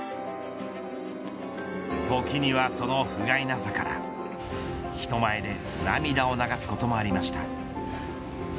時にはそのふがいなさから人前で涙を流すこともありました。